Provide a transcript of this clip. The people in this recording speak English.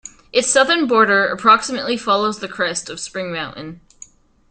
Its southern border approximately follows the crest of Spring Mountain.